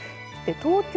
東京